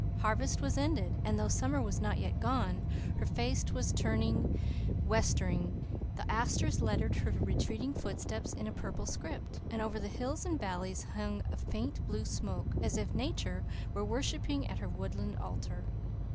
Harvest was ended; and though summer was not yet gone, her face was turned westering. The asters lettered her retreating footsteps in a purple script, and over the hills and valleys hung a faint blue smoke, as if Nature were worshipping at her woodland altar.